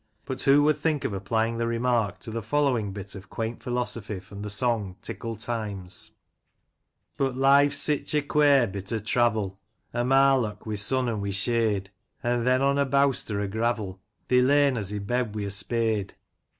But who would think of applying the remark to the following bit of quaint philosophy from the song, " Tickle Times "? But life's sich a quare bit o' travel — A marlock wi* sun an* wi* shade — An* then, on a bowster o* gravel, They lay'n us i* bed wi' a spade